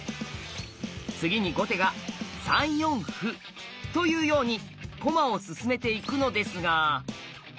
次に後手が３四歩。というように駒を進めていくのですが。